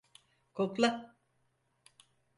Kokla!